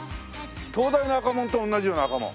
東大の赤門と同じような赤門。